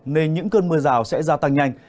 nên những cơn mưa rào sẽ gia tăng nhanh